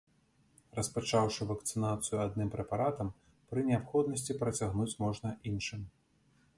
Распачаўшы вакцынацыю адным прэпаратам, пры неабходнасці працягнуць можна іншым.